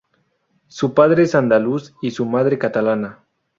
Su padre es andaluz y su madre catalana.